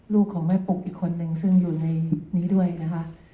ลูกของแม่ปุ๊กอีกคนนึงซึ่งอยู่ในนี้ด้วยนะคะ